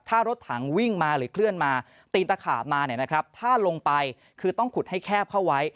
ถ้ารถถังวิ่งมาหรือเคลื่อนมาตีนตะขาบมาถ้าลงไปคือต้องขุดให้แคบเข้าไว้